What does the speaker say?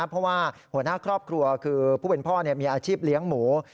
เพราะว่าหัวหน้าครอบครัวคือผู้เป็นพ่อมีอาชีพเลี้ยงหมู